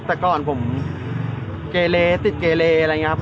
แต่ก่อนผมเกเลติดเกเลอะไรอย่างนี้ครับ